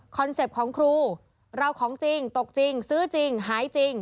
เป็ปต์ของครูเราของจริงตกจริงซื้อจริงหายจริง